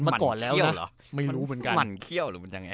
มันเคี่ยวหรอมันเคี่ยวหรือมันยังไง